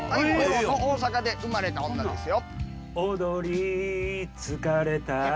『大阪で生まれた女』ですよ。